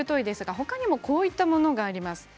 他にもこういったものがあります。